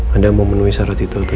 anda memenuhi syarat itu atau tidak